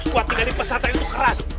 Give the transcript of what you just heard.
ga kuat ga kuat susah